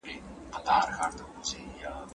شونې ده چي هغوی خپله تېروتنه ډېر ژر درک کړي.